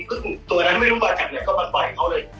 เพราะตัวนั้นไม่รู้ว่าจักรก็ไม่ไหวเขาเลย